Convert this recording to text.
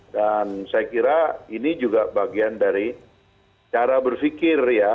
dan saya kira ini juga bagian dari cara berpikir ya